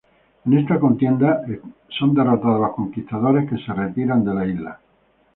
En esta contienda son derrotados los conquistadores, que se retiran de la isla.